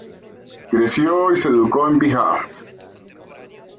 Creció y se educó en Bihar.